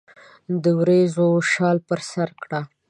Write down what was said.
دوریځو شال پر سرکړه